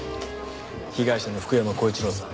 被害者の福山光一郎さん。